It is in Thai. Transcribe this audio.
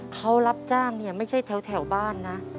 เขารับจ้างเนี่ยไม่ใช่แถวบ้านนะ